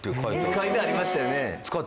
書いてありましたよね。